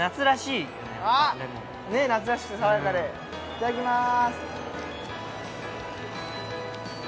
いただきます！